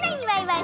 はい！